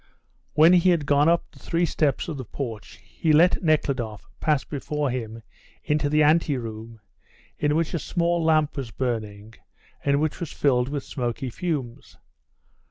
When he had gone up the three steps of the porch he let Nekhludoff pass before him into the ante room, in which a small lamp was burning, and which was filled with smoky fumes.